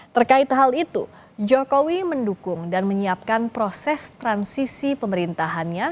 terkait hal itu jokowi mendukung dan menyiapkan proses transisi pemerintahannya